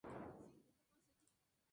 El aeroplano nunca voló.